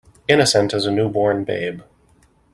Innocent as a new born babe.